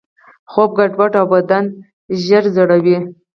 خوب ګډوډوي او بدن ژر زړوي.